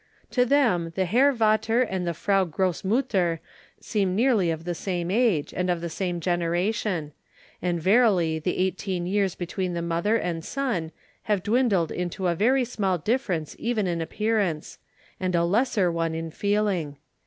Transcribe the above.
To them, the Herr Vater and the Frau Grossmutter seem nearly of the same age, and of the same generation; and verily the eighteen years between the mother and son have dwindled into a very small difference even in appearance, and a lesser one in feeling.